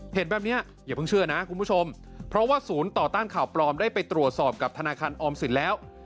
เห็นแบบนี้อย่าเพิ่งเชื่อนะคุณผู้ชมเพราะว่าศูนย์ต่อต้านข่าวปลอมได้ไปตรวจสอบกับธนาคารออมสินแล้ว